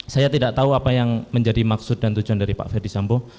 saya tidak tahu apa yang menjadi maksud dan tujuan dari pak ferdisambo